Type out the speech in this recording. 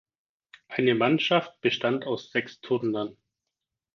Eine Mannschaft bestand aus sechs Turnern.